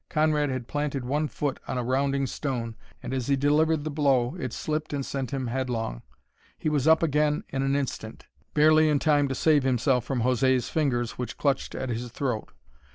Conrad had planted one foot on a rounding stone, and as he delivered the blow it slipped and sent him headlong. He was up again in an instant, barely in time to save himself from José's fingers, which clutched at his throat.